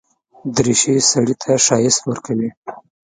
دریشي سړي ته ښايست ورکوي.